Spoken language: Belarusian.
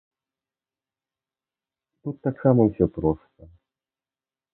Тут таксама ўсё проста.